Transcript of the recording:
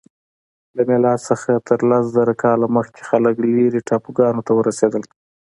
له میلاد څخه تر لس زره کاله مخکې خلک لیرې ټاپوګانو ته ورسیدل.